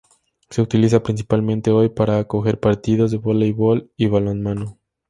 Se utiliza principalmente hoy para acoger partidos de voleibol y balonmano.